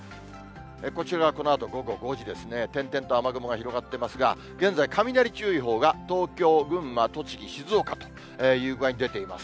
こちらはこのあと午後５時ですね、点々と雨雲が広がってますが、現在、雷注意報が東京、群馬、栃木、静岡という具合に出ています。